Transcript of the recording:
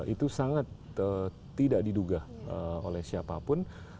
itu sangat tidak diduga oleh siapapun